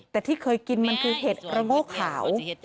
แต่ที่เคยกินมันคือเห็ดระโง่ขาว